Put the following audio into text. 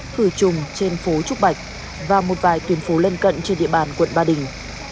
khử trùng trên phố trúc bạch và một vài tuyến phố lân cận trên địa bàn quận ba đình